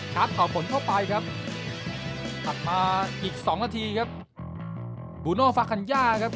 ขัดเข้าผ่นเข้าไปครับ